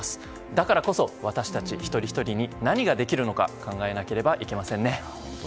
だからこそ私たち一人ひとりに何ができるのか考えなければいけませんね。